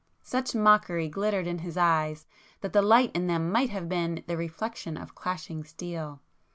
Such mockery glittered in his eyes, that the light in them might have been the reflection of clashing steel.